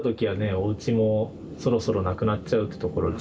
おうちもそろそろなくなっちゃうってところで。